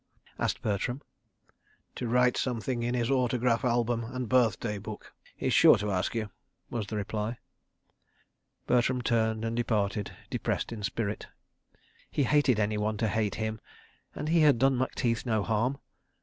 asked Bertram. "To write something in his autograph album and birthday book—he's sure to ask you to," was the reply. Bertram turned and departed, depressed in spirit. He hated anyone to hate him, and he had done Macteith no harm.